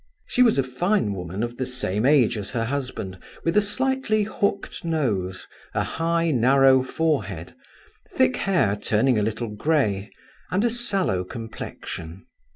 She was a fine woman of the same age as her husband, with a slightly hooked nose, a high, narrow forehead, thick hair turning a little grey, and a sallow complexion.